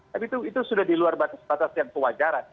tapi itu sudah di luar batas batas yang kewajaran